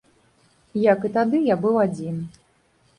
Як і тады, я быў адзін.